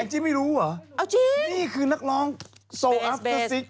จิ๊มไม่รู้เหรอนี่คือนักร้องโซลอัพเตอร์๖